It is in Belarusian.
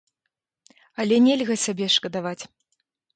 Але нельга сябе шкадаваць.